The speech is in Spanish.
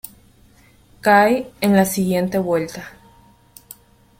Cae en la siguiente vuelta.